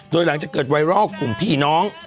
โดยหลังจากเกิดไวรัลกลุ่มพี่น้อง